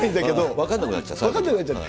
分かんなくなっちゃう。